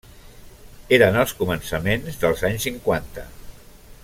Eren els començaments dels anys cinquanta.